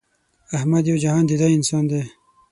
احمد یو جهان دیده انسان دی.